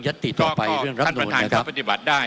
ก็ขอท่านประธานก็ปฏิบัติได้